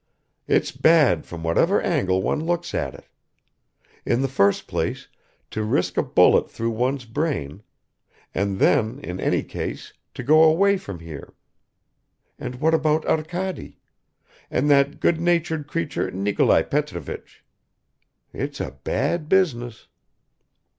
"It's bad from whatever angle one looks at it. In the first place to risk a bullet through one's brain, and then in any case to go away from here; and what about Arkady ... and that good natured creature Nikolai Petrovich? It's a bad business."